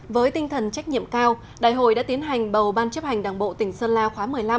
với tinh thần trách nhiệm cao đại hội đã tiến hành bầu ban chấp hành đảng bộ tỉnh sơn la khóa một mươi năm